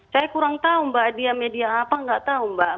saya kurang tahu mbak dia media apa nggak tahu mbak